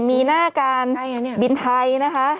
มีหน้าการบินไทยนะคะ